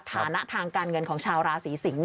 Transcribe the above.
ฐานะทางการเงินของชาวราศีสิงศ์